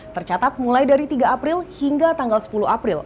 tercatat mulai dari tiga april hingga tanggal sepuluh april